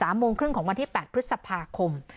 โมงครึ่งของวันที่๘พฤษภาคม